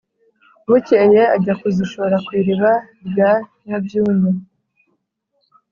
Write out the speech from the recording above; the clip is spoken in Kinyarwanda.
bukeye ajya kuzishora ku iriba rya nyabyunyu,